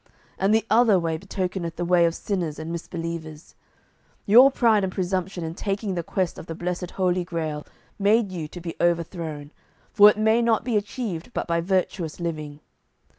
And the other way betokeneth the way of sinners and of misbelievers. Your pride and presumption in taking the quest of the blessed Holy Grail made you to be overthrown, for it may not be achieved but by virtuous living.